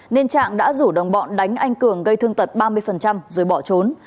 nên trạng đã rủ đồng bọn đánh anh cường gây thương tật ba mươi rồi bỏ trốn